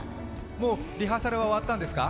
もうリハーサルは終わったんですか？